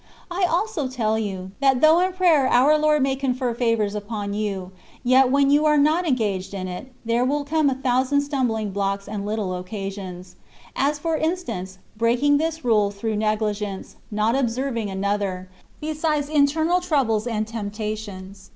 I also tell you, that though in prayer our Lord may confer favours upon you, yet when you are not engaged in it, there will come a thousand stumbling blocks and little occasions ; as, for instance, breaking this rule through negligence, not observing another, besides internal troubles and temptations.